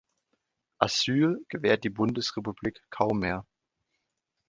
Asyl gewährt die Bundesrepublik kaum mehr.